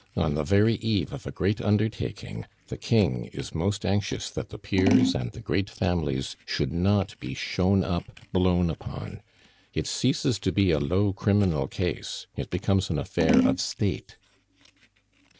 "On the very eve of a great undertaking the King is most anxious that the peers and the great families should not be shown up, blown upon. It ceases to be a low criminal case; it becomes an affair of State."